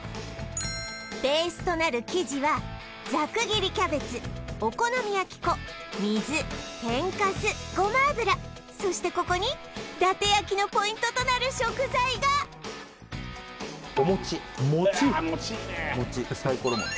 ベースとなる生地はざくぎりキャベツお好み焼き粉水天かすごま油そしてここに伊達焼きのポイントとなる食材が餅いいね